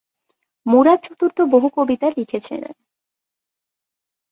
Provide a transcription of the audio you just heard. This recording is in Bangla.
মুরাদ চতুর্থ বহু কবিতা লিখেছিলেন।